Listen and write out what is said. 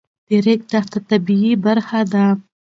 د ریګ دښتې د طبیعت برخه ده.